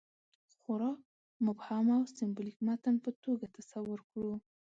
خورا مبهم او سېمبولیک متن په توګه تصور کړو.